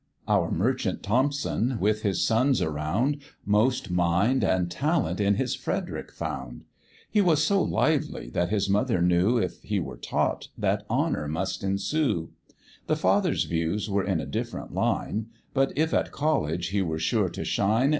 Our merchant Thompson, with his sons around, Most mind and talent in his Frederick found: He was so lively, that his mother knew, If he were taught, that honour must ensue; The father's views were in a different line, But if at college he were sure to shine.